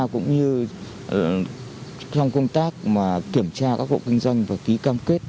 cũng như trong công tác kiểm tra các hộ kinh doanh và ký cam kết